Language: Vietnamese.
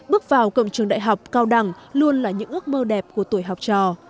bước vào cổng trường đại học cao đẳng luôn là những ước mơ đẹp của tuổi học trò